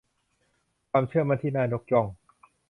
ความเชื่อมั่นที่น่ายกย่อง